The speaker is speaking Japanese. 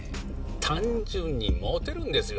単純にモテるんですよ。